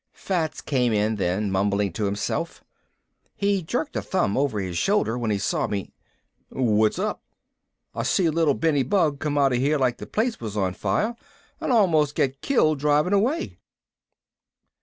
Fats came in then, mumbling to himself. He jerked a thumb over his shoulder when he saw me. "What's up? I see little Benny Bug come out of here like the place was on fire and almost get killed driving away?"